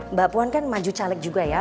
mbak puan kan maju caleg juga ya